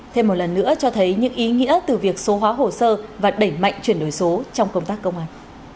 thêm một lần nữa cho thấy những ý nghĩa từ việc số hóa hồ sơ và đẩy mạnh chuyển đổi số trong công tác công an